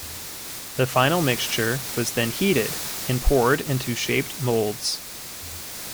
The final mixture was then heated and poured into shaped molds.